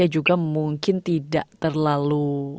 juga mungkin tidak terlalu